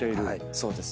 そうです。